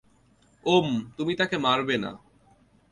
ওম, তুমি তাকে মারবে না।